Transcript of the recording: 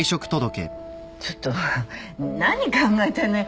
ちょっと何考えてんのよ。